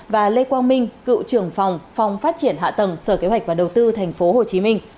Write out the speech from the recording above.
và lê quang minh cựu trưởng phòng phòng phát triển hạ tầng sở kế hoạch và đầu tư tp hcm